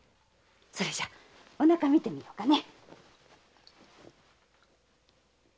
それじゃあお腹診てみようかね。